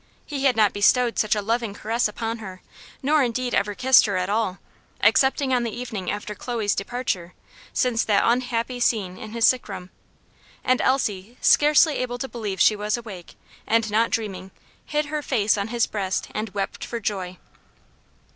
He had not bestowed such a loving caress upon her nor indeed ever kissed her at all, excepting on the evening after Chloe's departure since that unhappy scene in his sick room; and Elsie, scarcely able to believe she was awake, and not dreaming, hid her face on his breast, and wept for joy.